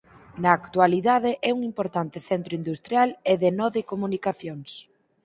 Na actualidade é un importante centro industrial e nó de comunicacións.